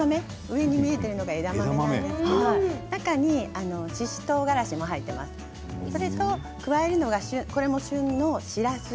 上に見えているのが枝豆なんですけど中に、ししとうがらしも入っています。